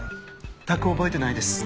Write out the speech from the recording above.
全く覚えてないです。